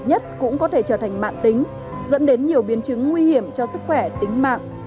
nhất cũng có thể trở thành mạng tính dẫn đến nhiều biến chứng nguy hiểm cho sức khỏe tính mạng